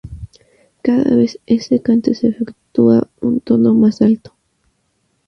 Cada vez este canto se efectúa un tono más alto.